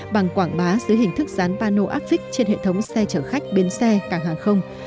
bằng quảng bá dưới hình thức dán pano áp vích trên hệ thống xe chở khách biến xe càng hàng không